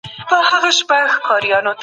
کارپوهانو به د سولي لپاره هڅي کولې.